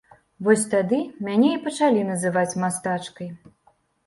Вось тады мяне і пачалі называць мастачкай.